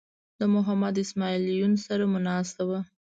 د محمد اسماعیل یون سره مو ناسته وه.